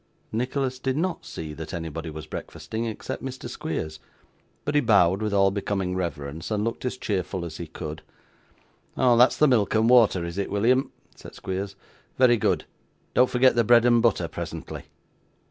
Nicholas did NOT see that anybody was breakfasting, except Mr. Squeers; but he bowed with all becoming reverence, and looked as cheerful as he could. 'Oh! that's the milk and water, is it, William?' said Squeers. 'Very good; don't forget the bread and butter presently.